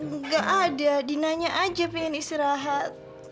enggak ada dinanya aja pengen istirahat